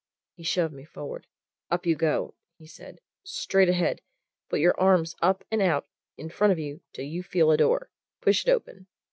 He shoved me forward. "Up you go," he said, "straight ahead! Put your arms up and out in front of you till you feel a door push it open."